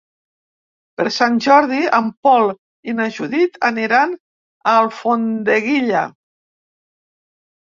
Per Sant Jordi en Pol i na Judit aniran a Alfondeguilla.